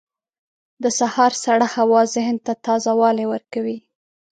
• د سهار سړه هوا ذهن ته تازه والی ورکوي.